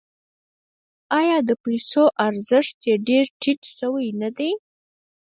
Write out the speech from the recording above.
آیا د پیسو ارزښت یې ډیر ټیټ شوی نه دی؟